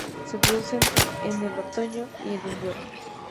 Se producen en el otoño y el invierno.